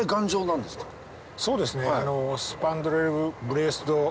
そうですね。